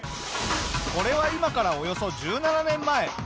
これは今からおよそ１７年前。